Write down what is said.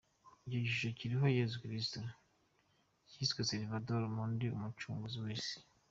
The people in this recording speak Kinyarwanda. Icyo gishusho kiriho Yezu Kristu, cyiswe Salvator Mundi — ’Umucunguzi w’isi’.